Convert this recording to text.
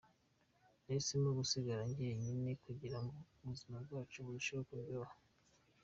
Nahisemo gusigara njyenyine kugirango ubuzima bwacu burusheho kuryoha.